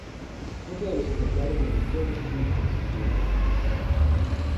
Muchos de los ejemplares de museo no sirven para su estudio.